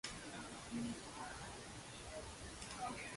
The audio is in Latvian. Arī knābis ir vājš, salīdzinot ar citu plēsīgo putnu knābjiem.